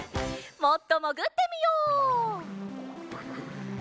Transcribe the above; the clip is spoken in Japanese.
もっともぐってみよう。